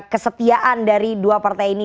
kesetiaan dari dua partai ini